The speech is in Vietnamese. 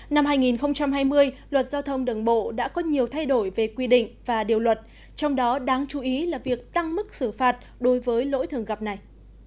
năm hai nghìn hai mươi luật giao thông đường bộ đã có nhiều thay đổi về quy định và điều luật trong đó đáng chú ý là việc tăng mức xử phạt đối với lỗi thường gặp này